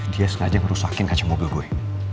dia sengaja ngerusakin kacau mobil gue